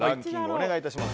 お願いいたします。